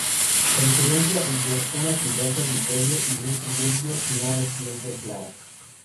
La diferencia entre una "ciudad dormitorio" y un suburbio no es siempre clara.